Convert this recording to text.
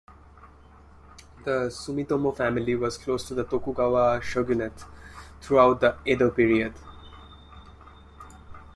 The Sumitomo family was close to the Tokugawa shogunate throughout the Edo period.